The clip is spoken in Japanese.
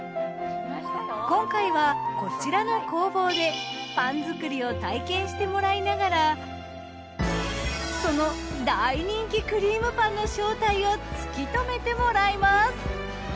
今回はこちらの工房でパン作りを体験してもらいながらその大人気くりーむパンの正体を突き止めてもらいます。